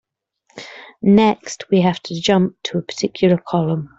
Next, we have to jump to a particular column.